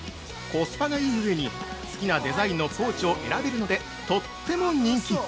◆コスパが良い上に好きなデザインのポーチを選べるので、とっても人気！